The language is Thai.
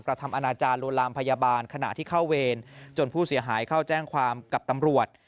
ทำอนาจารย์ลวนลามพยาบาลขณะที่เข้าเวรจนผู้เสียหายเข้าแจ้งความกับตำรวจ